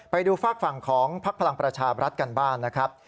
ไปดูฝากฝั่งของพักพลังประชาบรัฐกันบ้างนะครับ